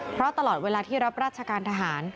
เพราะตลอดเวลาที่รับราชการทหาร